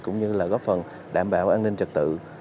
cũng như là góp phần đảm bảo an ninh trật tự